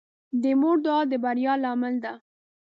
د مور دعا د بریا لامل ده.